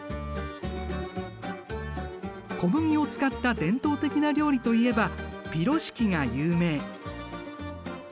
小麦を使った伝統的な料理といえばピロシキが有名。